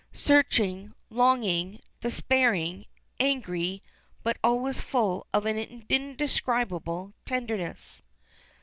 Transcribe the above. Searching, longing, despairing, angry, but always full of an indescribable tenderness.